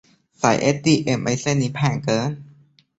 สายเอชดีเอ็มไอเส้นนี้แพงเกิน